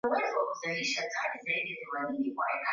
Tulipata hasara kubwa mwaka uliopita